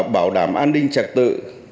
bảo đảm an ninh trạc tự